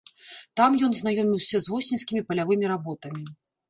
Там ён знаёміўся з восеньскімі палявымі работамі.